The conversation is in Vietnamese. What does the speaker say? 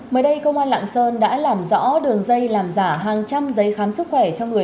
mới đây công an lạng sơn đã làm rõ đường dây làm giả hàng trăm giấy khám sức khỏe cho người